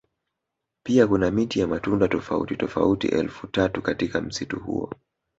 Pia kuna miti ya matunda tofauti tofauti elfu tatu katika msitu huo